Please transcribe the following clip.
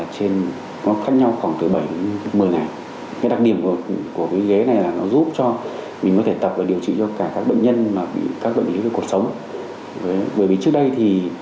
từ đó bác sĩ có pháp đồ điều trị hiệu quả nhất